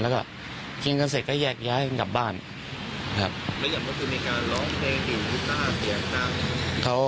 แล้วก็กินกันเสร็จก็แยกย้ายกันกลับบ้านครับ